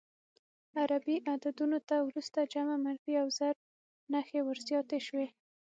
عربي عددونو ته وروسته جمع، منفي او ضرب نښې ور زیاتې شوې.